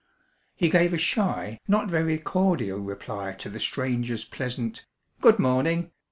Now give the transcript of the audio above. He gave a shy, not very cordial reply to the stranger's pleasant "Good morning!"